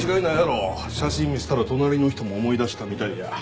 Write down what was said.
写真見せたら隣の人も思い出したみたいや。